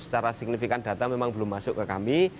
secara signifikan data memang belum masuk ke kami